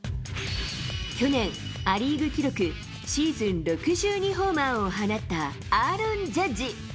去年、ア・リーグ記録、シーズン６２ホーマーを放ったアーロン・ジャッジ。